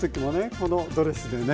このドレスでね。